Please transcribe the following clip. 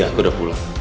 iya aku udah pulang